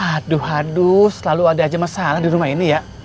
aduh aduh lalu ada aja masalah di rumah ini ya